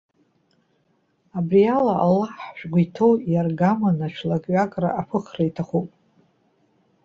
Абри ала Аллаҳ, шәгәы иҭоу иаргаманы, шәлакҩакра аԥыхра иҭахуп.